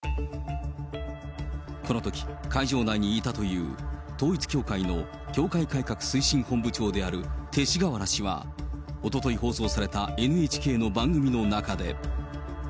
このとき、会場内にいたという、統一教会の教会改革推進本部長である勅使河原氏は、おととい放送されたＮＨＫの番組の中で。